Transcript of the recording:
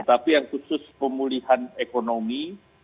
tapi yang khusus pemulihan ekonomi